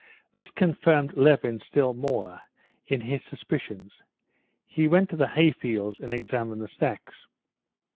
This confirmed Levin still more in his suspicions. He went to the hay fields and examined the stacks.